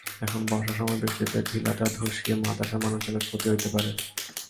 এখন বর্ষার সময় বৃষ্টিতে টিলাটা ধসিয়া মাদ্রাসার মানুষজনের ক্ষতি অইতে পারে।